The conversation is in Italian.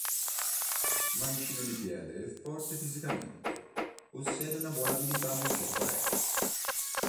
Mancino di piede e forte fisicamente, possiede una buona abilità nel gioco aereo.